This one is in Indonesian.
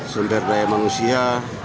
sender daya manusia